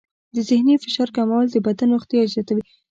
د ذهني فشار کمول د بدن روغتیا زیاتوي.